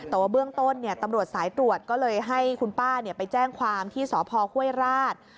แต่ว่าเบื้องต้นตำรวจสายตรวจก็เลยให้คุณป้าไปแจ้งความที่สพห้วยราช